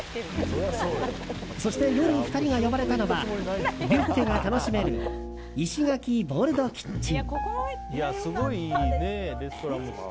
そして夜、２人が呼ばれたのはビュッフェが楽しめるイシガキボールドキッチン。